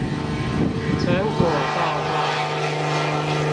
成果報告